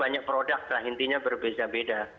banyak produk lah intinya berbeda beda